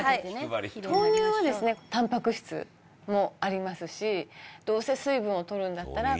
豆乳はですねタンパク質もありますしどうせ水分をとるんだったらこういう。